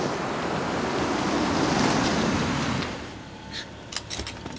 あっ！